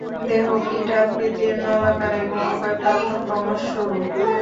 দেহ কীট আকৃতির, নলাকার এবং উভয় প্রান্ত ক্রমশ সরু।